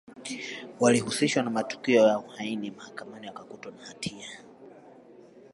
Walihusishwa na matukio ya uhaini Mahakamani wakakutwa na hatia